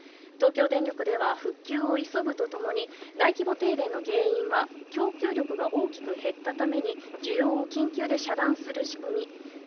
東京電力では復旧を急ぐと共に大規模停電の原因は供給量が大きく減ったために需要を緊急で遮断する仕組み